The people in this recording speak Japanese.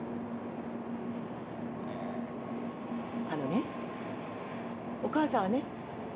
あのねお母さんはね